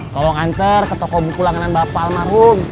tolong antar ke toko buku langganan bapak almarhum